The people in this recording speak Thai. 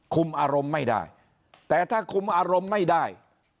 คุมอารมณ์ไม่ได้แต่ถ้าคุมอารมณ์ไม่ได้